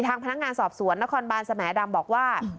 ทางพนักงานสอบสวนนครบานสมดำบอกว่า